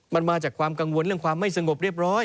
มันมาจากความกังวลเรื่องความไม่สงบเรียบร้อย